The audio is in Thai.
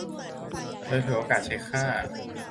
เลยถือโอกาสเช็คค่า